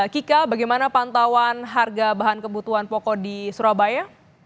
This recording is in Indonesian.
kika bagaimana pantauan harga bahan kebutuhan pokok di surabaya